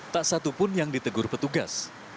tak satu pun yang ditegur petugas